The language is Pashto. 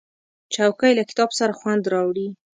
چوکۍ له کتاب سره خوند راوړي.